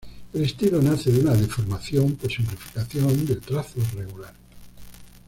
El estilo nace de una "deformación" por simplificación del trazo regular.